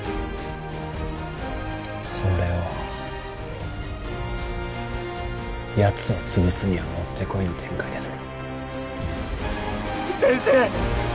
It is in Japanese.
それはやつを潰すにはもってこいの展開ですね